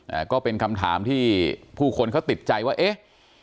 อ่าก็เป็นคำถามที่ผู้คนเขาติดใจว่าเอ๊ะ